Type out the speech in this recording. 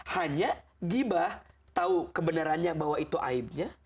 hanya gibah tahu kebenarannya bahwa itu aibnya